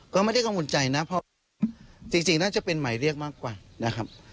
ก็ไม่ได้กังวลใจนะเพราะจริงน่าจะเป็นหมายเรียกมากกว่านะครับ